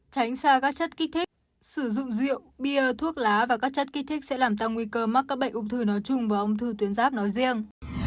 tránh xa các chất kích thích sử dụng rượu bia thuốc lá và các chất kích thích sẽ làm tăng nguy cơ mắc các bệnh ung thư nói chung và ung thư tuyến ráp nói riêng